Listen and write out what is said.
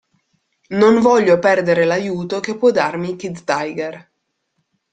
Non voglio perdere l'aiuto che può darmi Kid Tiger.